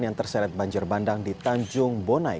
yang terseret banjir bandang di tanjung bonai